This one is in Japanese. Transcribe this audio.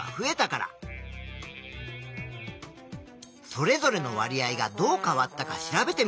それぞれのわり合がどう変わったか調べてみよう。